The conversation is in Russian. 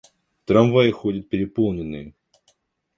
Трамваи ходят переполненные.